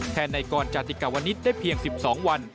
แทนในก่อนจติกวณิตได้เพียง๑๒วัน